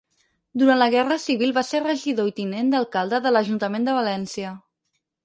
Durant la Guerra Civil va ser regidor i tinent d'alcalde de l'Ajuntament de València.